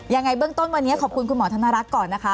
ยังไงเบื้องต้นวันนี้ขอบคุณคุณหมอธนรักษ์ก่อนนะคะ